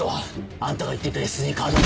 あんたが言っていたＳＤカードは。